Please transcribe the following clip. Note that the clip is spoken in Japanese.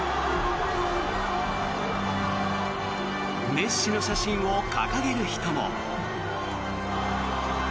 メッシの写真を掲げる人も。